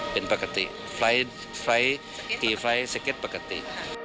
เป็นปกติไฟล์ตีไฟล์สเก็ตปกติ